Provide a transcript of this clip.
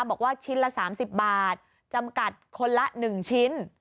บอกว่าชิ้นละ๓๐บาทจำกัดคนละ๑ชิ้น